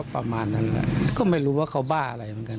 ประมาณนั้นแหละก็ไม่รู้ว่าเขาบ้าอะไรเหมือนกัน